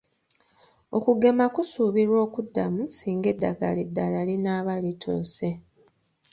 Okugema kusuubirwa okuddamu singa eddagala eddala linaaba lituuse.